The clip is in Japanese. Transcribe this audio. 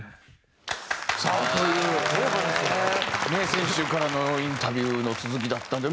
先週からのインタビューの続きだったんで。